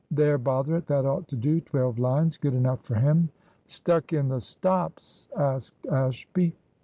There, bother it, that ought to do twelve lines. Good enough for him." "Stuck in the stops?" asked Ashby.